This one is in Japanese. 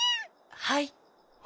はい。